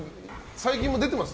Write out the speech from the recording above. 最近も出てます？